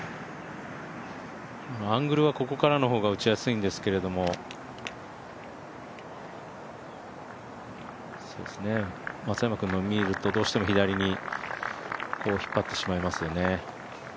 アングルはここからの方が打ちやすいんですけれども、松山君の見ると、どうしても左に引っ張ってしまいますよね。